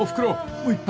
もう一杯］